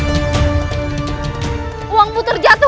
ayo pergi ke tempat yang lihat patih